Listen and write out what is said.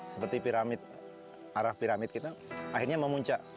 seperti arah piramid kita akhirnya memuncak